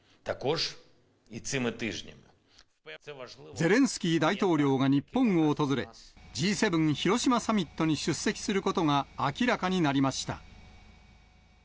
ゼレンスキー大統領が日本を訪れ、Ｇ７広島サミットに出席することが明らかになりました。